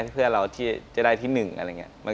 เพื่อนเราที่จะได้ที่๑อะไรอย่างนี้